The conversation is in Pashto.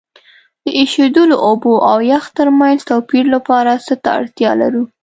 د ایشیدلو اوبو او یخ ترمنځ توپیر لپاره څه ته اړتیا لرو؟